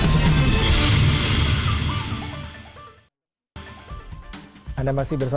sian indonesia prime news